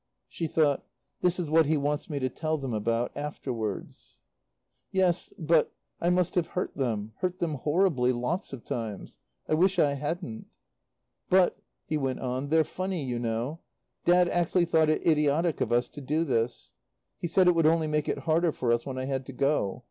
She thought: "This is what he wants me to tell them about afterwards." "Yes, but I must have hurt them hurt them horribly lots of times. I wish I hadn't. "But" he went on, "they're funny, you know. Dad actually thought it idiotic of us to do this. He said it would only make it harder for us when I had to go.